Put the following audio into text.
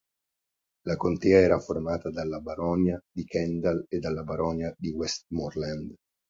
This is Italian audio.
La contea era formata dalla baronia di Kendal e dalla baronia di Westmorland.